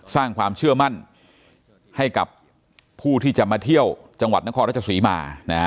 สร้างความเชื่อมั่นให้กับผู้ที่จะมาเที่ยวจังหวัดนครราชศรีมา